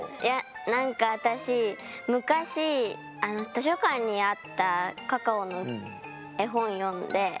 いや何か私昔図書館にあったカカオの絵本読んで。